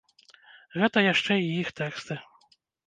Гэта яшчэ і іх тэксты.